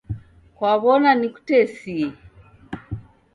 Kwaw'ona nikutesie?